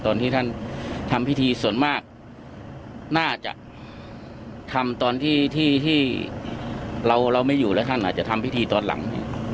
ตอนที่ท่านทำพิธีส่วนมากน่าจะทำตอนที่ที่เราไม่อยู่แล้วท่านอาจจะทำพิธีตอนหลัง